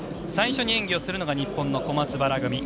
最初に演技をするのが日本の小松原組。